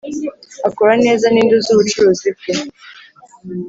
akora neza ninde uzi ubucuruzi bwe.